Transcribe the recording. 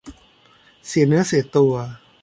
เสียเนื้อเสียตัว